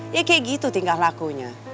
ya kayak gitu tingkah lakunya